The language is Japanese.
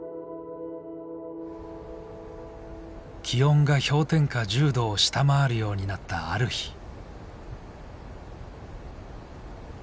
気温が氷点下１０度を下回るようになったある日。